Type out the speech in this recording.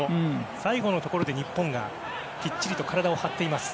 最後のところで、日本がきっちりと体を張っています。